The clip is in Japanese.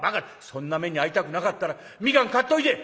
「そんな目に遭いたくなかったら蜜柑買っといで！」。